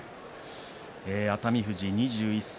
熱海富士２１歳。